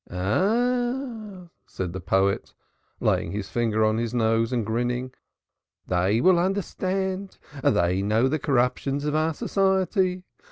"Aha!" said the poet, laying his finger on his nose and grinning. "They will understand. They know the corruptions of our society.